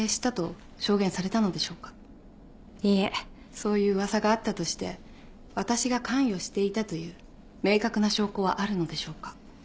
そういう噂があったとして私が関与していたという明確な証拠はあるのでしょうか？